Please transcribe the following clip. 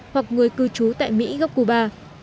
hoặc người cư trú tại mỹ góc cuba